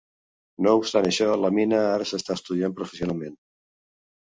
No obstant això, la mina ara s'està estudiant professionalment.